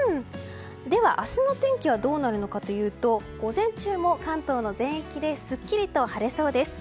では、明日の天気はどうなるのかというと午前中も関東の全域ですっきりと晴れそうです。